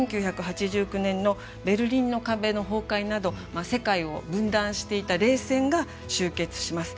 １９８９年のベルリンの壁の崩壊など世界を分断していた冷戦が終結します。